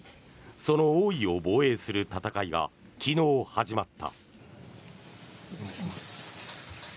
その王位を防衛する戦いが昨日、始まった。